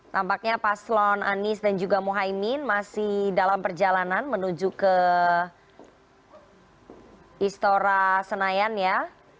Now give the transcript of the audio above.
tampaknya paslon anies dan juga muhaymin masih dalam perjalanan menuju ke istora senayan ya